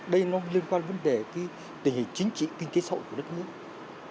đây liên quan đến vấn đề tình hình chính trị kinh tế xã hội của đất nước